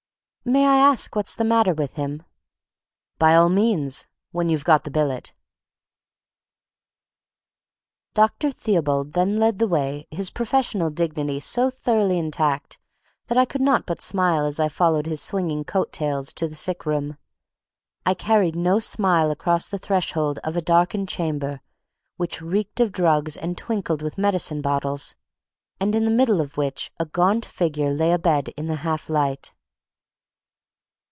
"May I ask what's the matter with him?" "By all means—when you've got the billet." Dr. Theobald then led the way, his professional dignity so thoroughly intact that I could not but smile as I followed his swinging coat tails to the sick room. I carried no smile across the threshold of a darkened chamber which reeked of drugs and twinkled with medicine bottles, and in the middle of which a gaunt figure lay abed in the half light.